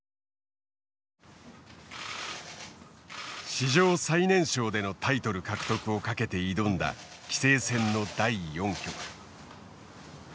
史上最年少でのタイトル獲得をかけて挑んだ棋聖戦の第４局。